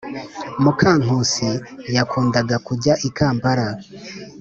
mukankusi yakundaga kujya i kampala